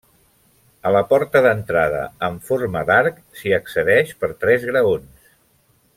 A la porta d'entrada, en forma d'arc, s'hi accedeix per tres graons.